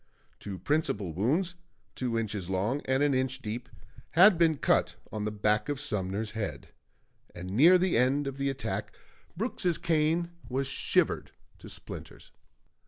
Two principal wounds, two inches long and an inch deep, had been cut on the back of Sumner's head; and near the end of the attack, Brooks's cane was shivered to splinters.